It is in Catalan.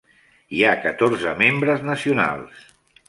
Hi ha catorze membres nacionals.